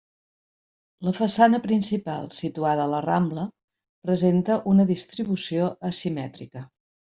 La façana principal, situada a la Rambla, presenta una distribució asimètrica.